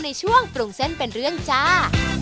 ในช่วงปรุงเส้นเป็นเรื่องจ้า